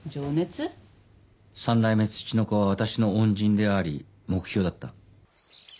三代目ツチノコは私の恩人であり目標だった。